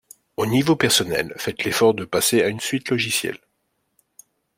Au niveau personnel, faites l'effort de passer à une suite logicielle